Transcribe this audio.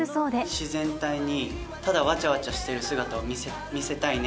自然体に、ただわちゃわちゃしている姿を見せたいね。